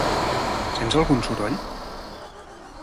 Sents algun soroll?